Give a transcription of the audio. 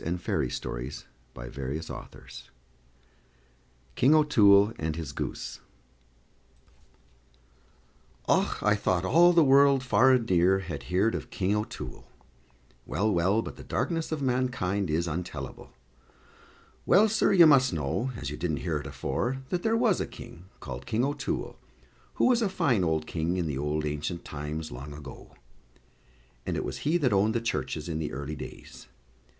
CELTIC STORIES KING O'TOOLE AND HIS GOOSE ADAPTED BY JOSEPH JACOBS Och, I thought all the world, far and near, had heerd of King O'Toole well, well, but the darkness of mankind is untellable! Well, sir, you must know, as you didn't hear it afore, that there was a King, called King O'Toole, who was a fine old King in the old ancient times, long ago; and it was he that owned the churches in the early days.